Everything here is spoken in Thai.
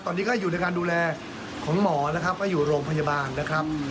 ตอนนี้ก็อยู่ในการดูแลของหมอนะครับก็อยู่โรงพยาบาลนะครับ